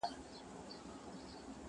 په میوند پسې دې خان و مان را ووت ,